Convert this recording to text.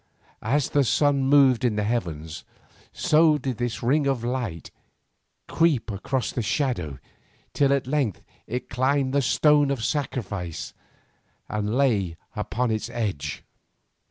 As the sun moved in the heavens, so did this ring of light creep across the shadow till at length it climbed the stone of sacrifice and lay upon its edge.